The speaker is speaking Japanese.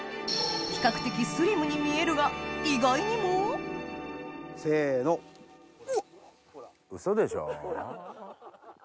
比較的スリムに見えるが意外にもせのうおっ！